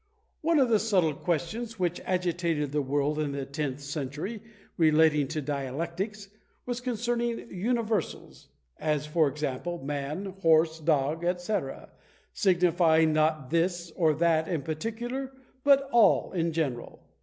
One of the subtile questions which agitated the world in the tenth century, relating to dialectics, was concerning universals (as for example, man, horse, dog, &c.) signifying not this or that in particular, but all in general.